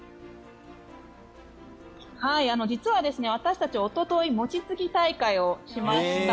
実は私たちおととい餅つき大会をしました。